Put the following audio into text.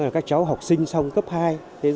các cháu học sinh xong cấp hai trung học phổ thông